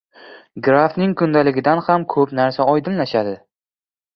Grafning kundaligidan ham ko‘p narsa oydinlashadi.